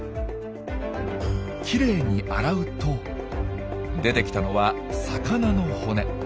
きれいに洗うと出てきたのは魚の骨。